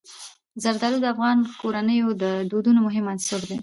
زردالو د افغان کورنیو د دودونو مهم عنصر دی.